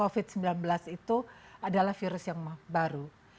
virus ini adalah virus yang baru